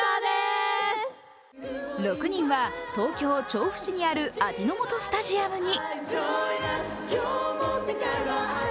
６人は東京・調布市にある味の素スタジアムに。